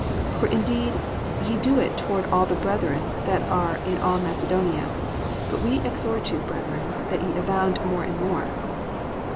... For indeed ye do it toward all the brethren that are in all Macedonia. But we exhort you, brethren, that ye abound more and more."